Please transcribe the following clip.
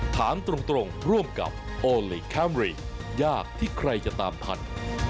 ถามตรงร่วมกับโอลี่คัมรี่ยากที่ใครจะตามทัน